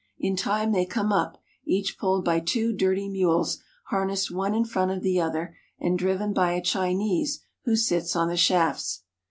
In time they come up, each pulled by two dirty mules harnessed one in front of the other and driven by a Chinese who sits on the shafts.